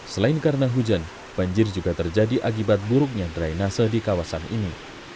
selain karena hujan banjir juga terjadi akibat buruknya drainase di kawasan ini